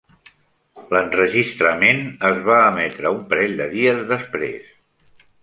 L'enregistrament es va emetre un parell de dies després.